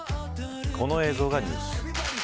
この映像がニュース。